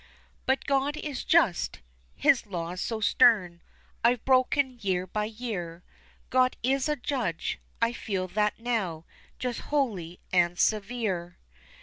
But God is just, His laws so stern, I've broken year by year, God is a judge I feel that now just, holy, and severe.